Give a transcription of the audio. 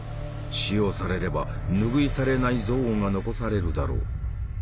使用されれば拭い去れない憎悪が残されるだろう。